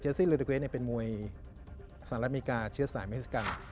เจสซี่ลูดีเกรทเป็นมวยสหรัฐอเมริกาเชื้อสายเมซิกัน